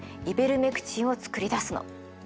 イベルメクチンを作り出すの。